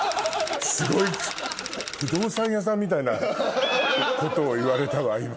すごい不動産屋さんみたいなことを言われたわ今。